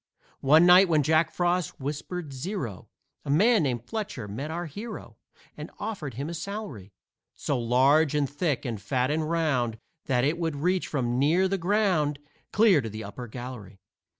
One night when Jack Frost whispered zero, A man named Fletcher met our hero And offered him a salary So large and thick and fat and round That it would reach from near the ground Clear to the upper gallery.